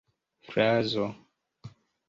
frazo